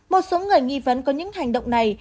một số người nghi vấn có những hành động này